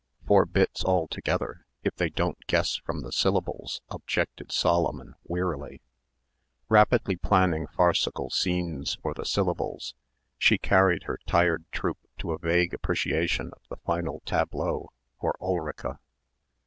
Four bits altogether, if they don't guess from the syllables," objected Solomon wearily. Rapidly planning farcical scenes for the syllables she carried her tired troupe to a vague appreciation of the final tableau for Ulrica.